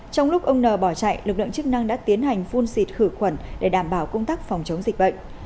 trong lúc ông n bỏ chạy lực lượng chức năng đã tiến hành phun xịt khử khuẩn để đảm bảo công tác phòng chống dịch bệnh